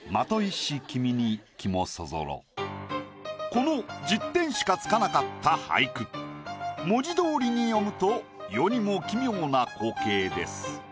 この１０点しか付かなかった俳句文字どおりに読むと世にも奇妙な光景です。